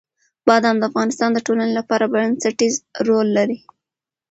بادام د افغانستان د ټولنې لپاره بنسټيز رول لري.